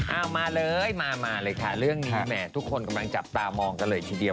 เอามาเลยมามาเลยค่ะเรื่องนี้แหมทุกคนกำลังจับตามองกันเลยทีเดียว